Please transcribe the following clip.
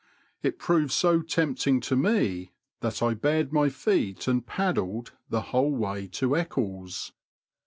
It proved so tempting to me that I bared my feet and *' paddled" tne whole way to Eccles.